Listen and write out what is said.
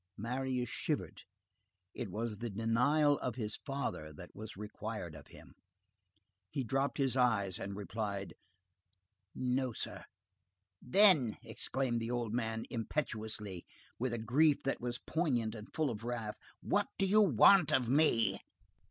Marius shivered; it was the denial of his father that was required of him; he dropped his eyes and replied:— "No, sir." "Then," exclaimed the old man impetuously, with a grief that was poignant and full of wrath, "what do you want of me?"